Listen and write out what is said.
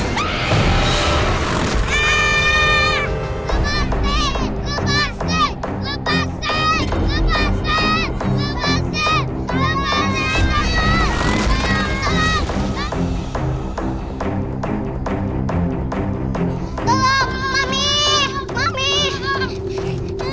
lepasin lepasin lepasin